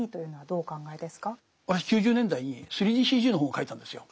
私９０年代に３ＤＣＧの本を書いたんですよ。